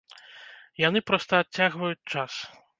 Яны проста адцягваюць час.